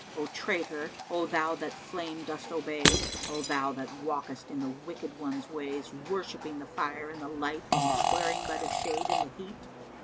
O traitor! O thou that flame dost obey! O thou that walkest in the wicked ones' ways, worshipping the fire and the light and swearing by the shade and the heat!"